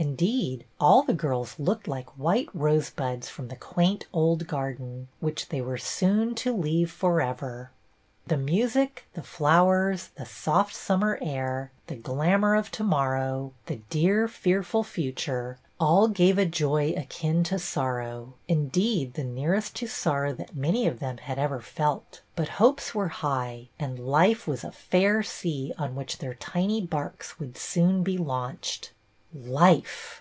In deed, all the girls looked like white rose buds from the quaint old garden, which they were soon to leave forever. The music, the flowers, the soft summer air, the glamour of to morrow — the dear, fearful future — all gave a joy akin to sor row, indeed, the nearest to sorrow that many of them had ever felt ; but hopes were high, and Life was a " fair sea " on which their tiny barks would soon be launched. Life